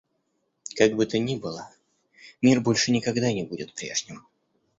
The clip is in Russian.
Как бы то ни было, мир больше никогда не будет прежним.